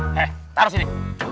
eh taruh sini